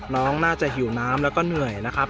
น้องน่าจะหิวน้ำแล้วก็เหนื่อยนะครับ